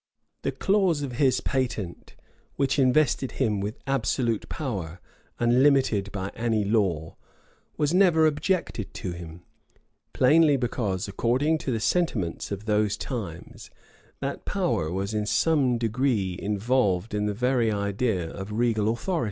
The clause of his patent, which invested him with absolute power, unlimited by any law, was never objected to him; plainly because, according to the sentiments of those times, that power was in some degree involved in the very idea of regal authority.